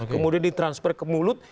kemudian ditransfer ke mulut